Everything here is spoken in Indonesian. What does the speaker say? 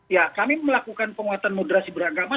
ya kami melakukan penguatan moderasi beragama